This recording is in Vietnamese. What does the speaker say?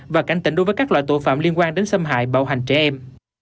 và cảnh tỉnh đối với các loại tội phạm liên quan đến xâm hại bạo hành trẻ em